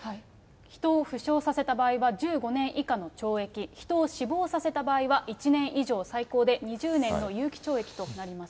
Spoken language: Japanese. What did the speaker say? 人を負傷させた場合は１５年以下の懲役、人を死亡させた場合は１年以上、最高で２０年の有期懲役となります。